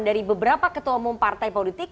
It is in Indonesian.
dari beberapa ketua umum partai politik